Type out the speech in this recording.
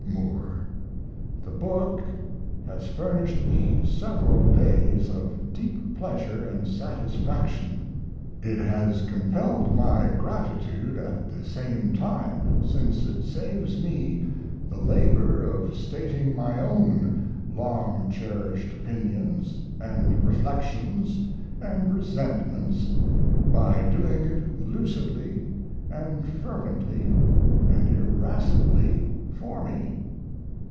MOORE, The book has furnished me several days of deep pleasure & satisfaction; it has compelled my gratitude at the same time, since it saves me the labor of stating my own long cherished opinions & reflections & resentments by doing it lucidly & fervently & irascibly for me.